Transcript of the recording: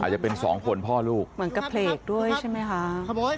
จะเป็นสองคนพ่อลูกเหมือนกระเพลกด้วยใช่ไหมคะ